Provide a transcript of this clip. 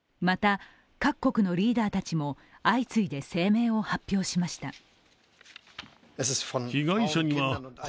また、各国のリーダーたちも相次いで声明を発表しました。